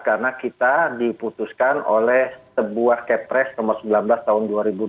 karena kita diputuskan oleh sebuah kepres nomor sembilan belas tahun dua ribu dua puluh dua